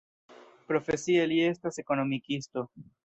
Profesie li estas ekonomikisto.